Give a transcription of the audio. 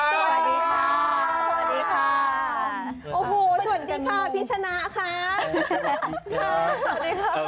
สวัสดีค่ะพี่ชนะค่ะ